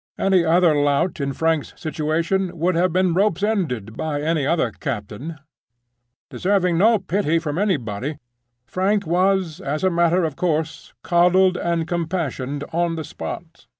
Any other lout in Frank's situation would have been rope's ended by any other captain. Deserving no pity from anybody, Frank was, as a matter of course, coddled and compassionated on the spot.